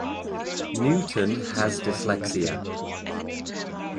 Newton has dyslexia.